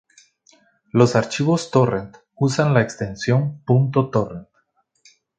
Los archivos "torrent" usan la extensión ".torrent".